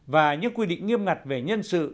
và những quy định nghiêm ngặt về nhân sự